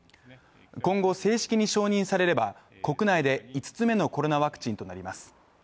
今後、正式に承認されれば国内で５つ目のコロナワクチンとなります。